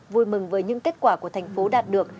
vui mừng với những kết quả của thành phố đạt được